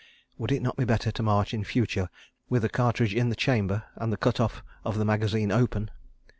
Would it not be better to march in future with a cartridge in the chamber and the cut off of the magazine open?